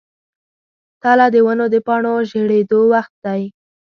تله د ونو د پاڼو ژیړیدو وخت دی.